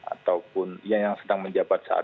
ataupun yang sedang menjabat saat